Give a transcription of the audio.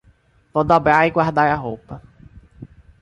Vou dobrar e guardar a roupa.